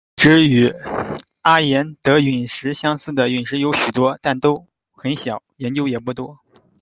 已知与阿颜德陨石相似的陨石有许多，但都很小，研究也不多。